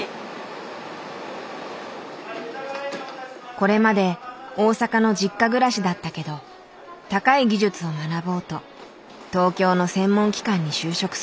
これまで大阪の実家暮らしだったけど高い技術を学ぼうと東京の専門機関に就職する道を選んだ。